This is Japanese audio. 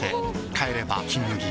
帰れば「金麦」